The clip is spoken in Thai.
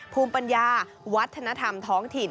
ภูมิปัญญาวัฒนธรรมท้องถิ่น